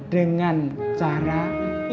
dengan cara ibadah